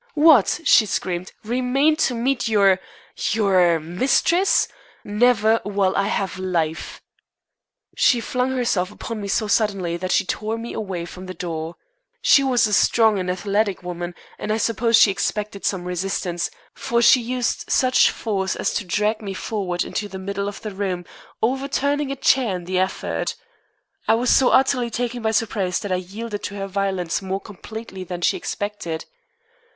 "What?" she screamed. "Remain to meet your your mistress? Never, while I have life!" She flung herself upon me so suddenly that she tore me away from the door. She was a strong and athletic woman, and I suppose she expected some resistance, for she used such force as to drag me forward into the middle of the room, overturning a chair in the effort. I was so utterly taken by surprise that I yielded to her violence more completely than she expected.